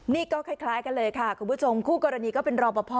นี่ก็คล้ายกันเลยค่ะคุณผู้ชมคู่กรณีก็เป็นรอปภ